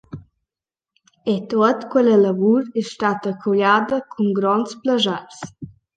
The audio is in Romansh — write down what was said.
E tuot quella lavur es statta colliada cun gronds plaschairs.»